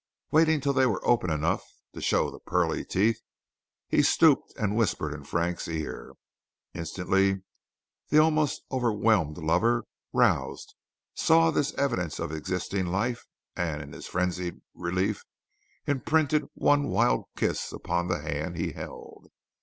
Waiting till they were opened enough to show the pearly teeth, he stooped and whispered in Frank's ear. Instantly the almost overwhelmed lover, roused, saw this evidence of existing life, and in his frenzied relief imprinted one wild kiss upon the hand he held.